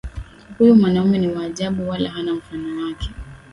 Huyu mwanaume ni wa ajabu wala hana mfano wake.